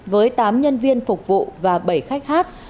với tám nhân viên phục vụ và bảy khách hát